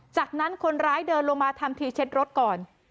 จากนั้นคนร้ายเดินลงมาทำทีเช็ดรถก่อน